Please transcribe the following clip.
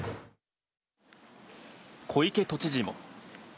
小池都知事も。